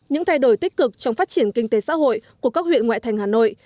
những thay đổi tích cực trong phát triển kinh tế xã hội của các huyện ngoại thành hà nội